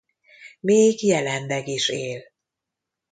Még jelenleg is él.